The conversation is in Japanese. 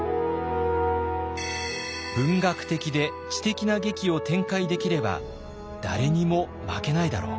文学的で知的な劇を展開できれば誰にも負けないだろう。